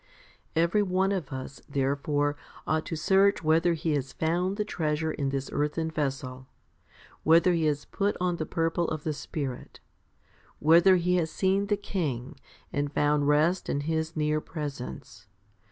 6 Every one of us, therefore, ought to search whether he has found the treasure in this earthen vessel, 1 whether he has put on the purple of the Spirit, whether he has seen the King and found rest in His near presence, or still 1 Matt, xxviii.